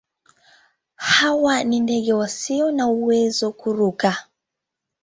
Hawa ni ndege wasio na uwezo wa kuruka.